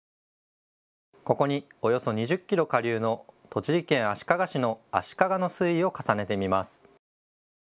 ここに、およそ２０キロ下流の栃木県足利市の足利の水位を重ねてみます。